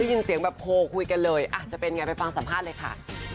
ยินเสียงแบบโพลคุยกันเลยอาจจะเป็นไงไปฟังสัมภาษณ์เลยค่ะ